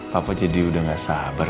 papa jadi udah gak sabar